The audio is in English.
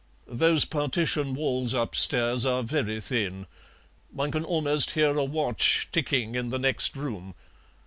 Those partition walls upstairs are very thin; one can almost hear a watch ticking in the next room."